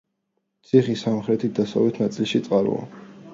ციხის სამხრეთ-დასავლეთ ნაწილში წყაროა.